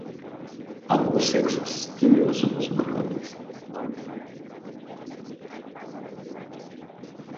Ambos sexos tiene los ojos marrones, y el pico y patas negras.